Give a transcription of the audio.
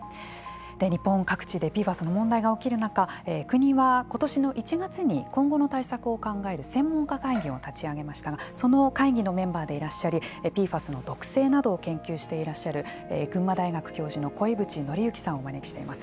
日本各地でＰＦＡＳの問題が起きる中国は今年の１月に今後の対策を考える専門家会議を立ち上げましたがその会議のメンバーでいらっしゃりＰＦＡＳの毒性などを研究していらっしゃる群馬大学教授の鯉淵典之さんをお招きしております。